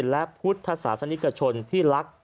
และพุทธศาสนิกชนที่รัก